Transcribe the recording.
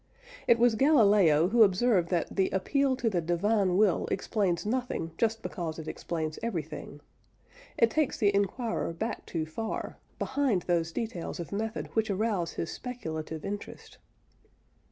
It was Galileo who observed that the appeal to the divine will explains nothing just because it explains everything. It takes the inquirer back too far behind those details of method which arouse his speculative interest.